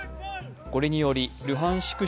これによりルハンシク